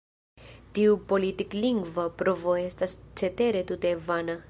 Tiu politik-lingva provo estas cetere tute vana.